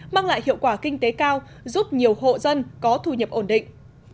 mang lại hiệu quả kinh tế cao giúp nhiều hộ dân có thu nhập ổn định